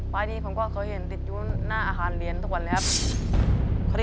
นี้ผมก็เคยเห็นติดอยู่หน้าอาหารเหรียญทุกวันเลยครับ